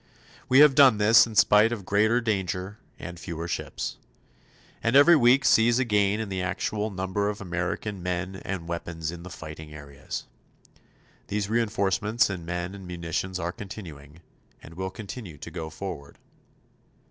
We have done this in spite of greater danger and fewer ships. And every week sees a gain in the actual number of American men and weapons in the fighting areas. These reinforcements in men and munitions are continuing, and will continue to go forward.